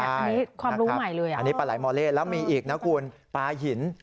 อันนี้ปลายมอเล่และมีอีกนะคุณปลาหิน